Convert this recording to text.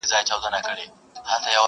سړې اوږدې شپې به یې سپیني کړلې؛